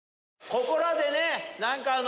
ここらでね何か。